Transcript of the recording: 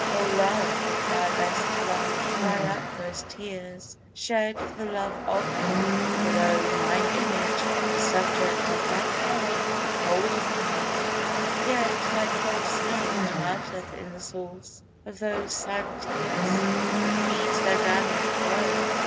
O Love, if thou be'st Love, dry up these tears Shed for the love of Love; for tho' mine image, The subject of thy power, be cold in her, Yet, like cold snow, it melteth in the source Of these sad tears, and feeds their downward flow.